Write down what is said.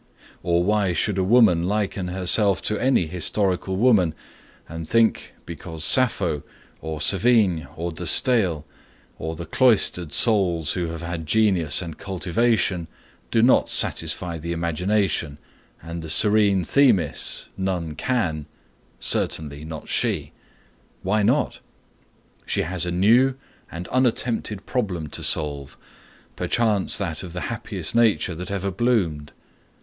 Or why should a woman liken herself to any historical woman, and think, because Sappho, or Sévigné, or De Staël, or the cloistered souls who have had genius and cultivation do not satisfy the imagination and the serene Themis, none can,—certainly not she? Why not? She has a new and unattempted problem to solve, perchance that of the happiest nature that ever bloomed.